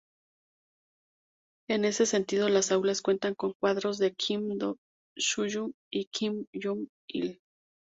En ese sentido, las aulas cuentan con cuadros de Kim Il-sung y Kim Jong-il.